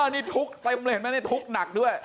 นี่ทุกข์เต็มเลยเห็นไหมนี่ทุกข์หนักด้วย